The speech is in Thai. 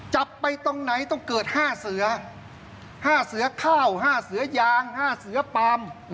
จับไปตรงไหนต้องเกิดห้าเสือห้าเสือข้าวห้าเสือยางห้าเสือปัม